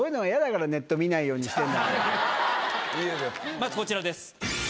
まずこちらです。